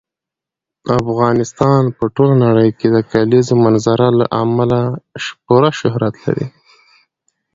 افغانستان په ټوله نړۍ کې د کلیزو منظره له امله پوره شهرت لري.